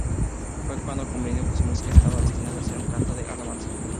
Fue cuando comprendió que su música estaba destinada a ser un canto de alabanza.